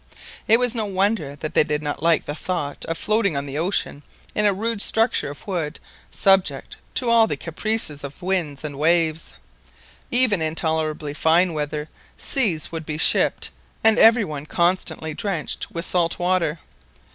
It was no wonder that they did not like the thought of floating on the ocean in a rude structure of wood subject to all the caprices of winds and waves. Even in tolerably fine weather seas would be shipped and every one constantly drenched with saltwater.